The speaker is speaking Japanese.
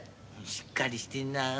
しっかりしてんなぁ。